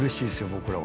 僕らはね。